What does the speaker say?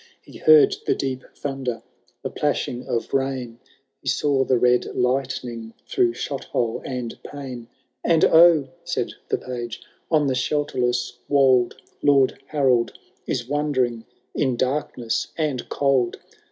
He heard the deep thunder, the plashing of rain. He saw the red lightning through shot hole and pane ;And oh !" said the Page, on the shelterless wold. Lord Harold is wandering in darkness and cold